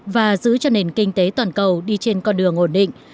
và giữ cho nền kinh tế toàn cầu đi trên con đường ổn định